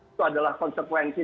itu adalah konsekuensi